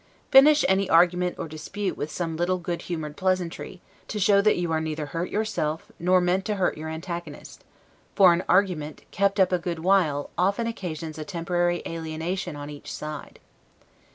Finish any argument or dispute with some little good humored pleasantry, to show that you are neither hurt yourself, nor meant to hurt your antagonist; for an argument, kept up a good while, often occasions a temporary alienation on each side.